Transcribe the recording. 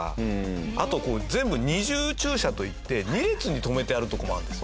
あと全部二重駐車といって２列に止めてあるとこもあるんですよ。